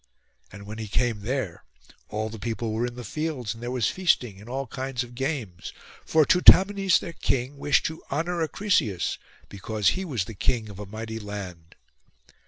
And when he came there, all the people were in the fields, and there was feasting, and all kinds of games; for Teutamenes their king wished to honour Acrisius, because he was the king of a mighty land.